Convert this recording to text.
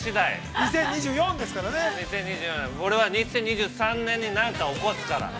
２０２４年、俺は２０２３年に何か起こすから。